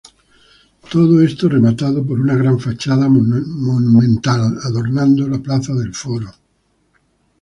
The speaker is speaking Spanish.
Todo esto rematado por una gran fachada monumental, adornando la plaza del foro.